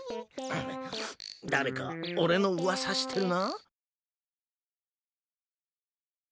だれかおれのうわさしてるな？